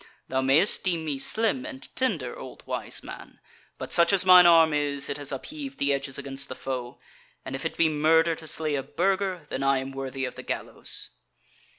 Thou mayst deem me slim and tender, old wise man; but such as mine arm is, it has upheaved the edges against the foe; and if it be a murder to slay a Burger, then am I worthy of the gallows."